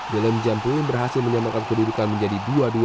dalam jam sepuluh berhasil menyambangkan kedudukan menjadi dua dua